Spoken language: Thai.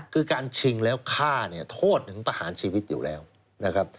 คือการชิงแล้วฆ่าเนี่ยโทษถึงประหารชีวิตอยู่แล้วนะครับ